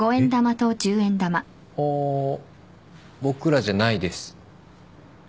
僕らじゃないです。